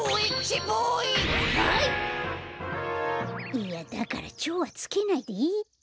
いやだから「超」はつけないでいいって。